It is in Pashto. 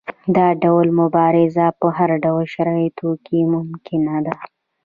دا ډول مبارزه په هر ډول شرایطو کې ممکنه ده.